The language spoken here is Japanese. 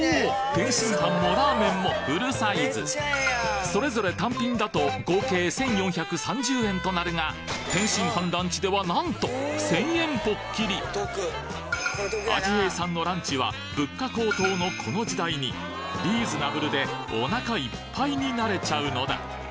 天津飯もラーメンもフルサイズそれぞれ単品だとなんと１，０００円ぽっきりあじへいさんのランチは物価高騰のこの時代にリーズナブルでお腹いっぱいになれちゃうのだ